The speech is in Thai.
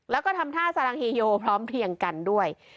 แล้วก็ทำท่าสารังเฮโยพร้อมเพียงกันด้วย